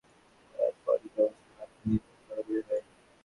যুক্তরাষ্ট্রসহ অন্যরা চাপ প্রয়োগ করার পরই কেবল সীমান্ত নিয়ন্ত্রণ কড়াকড়ি হয়।